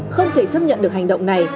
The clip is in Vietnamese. không thể chấp nhận được hành động này